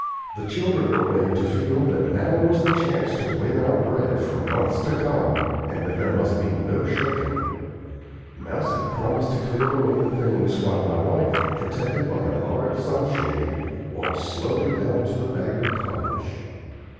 The children were made to feel that now was the chance to win our bread for months to come, and that there must be no shirking. Mousie promised to clear away the things while my wife, protected by a large sun shade, walked slowly down to the Bagley cottage.